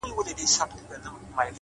د کوټې خاموشي د شیانو غږونه څرګندوي.!